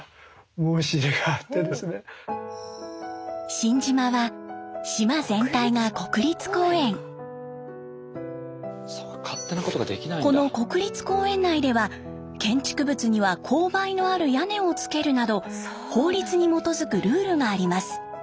新島はこの国立公園内では建築物には勾配のある屋根をつけるなど法律に基づくルールがあります。